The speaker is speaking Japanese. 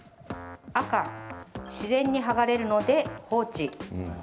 赤・自然に剥がれるので放置。